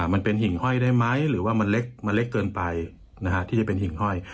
มันเป็นหิ่งห้อยได้ไหมหรือว่ามันเล็กมันเล็กเกินไปที่จะเป็นหิ่งห้อย